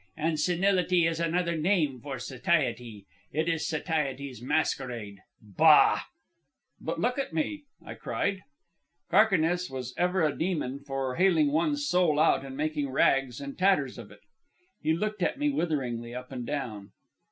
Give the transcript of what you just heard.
And senility is another name for satiety. It is satiety's masquerade. Bah!" "But look at me!" I cried. Carquinez was ever a demon for haling ones soul out and making rags and tatters of it. He looked me witheringly up and down.